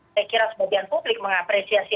saya kira sebagian publik mengapresiasi